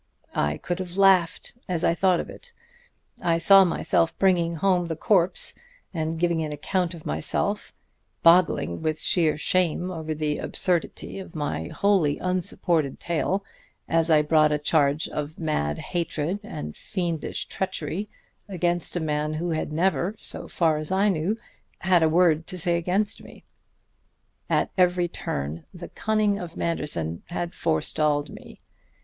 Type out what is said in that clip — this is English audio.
I could have laughed as I thought of it. I saw myself bringing home the corpse and giving an account of myself, boggling with sheer shame over the absurdity of my wholly unsupported tale as I brought a charge of mad hatred and fiendish treachery against a man who had never, so far as I knew, had a word to say against me. At every turn the cunning of Manderson had forestalled me.